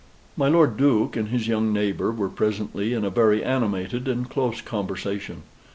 My Lord Duke and his young neighbor were presently in a very animated and close conversation.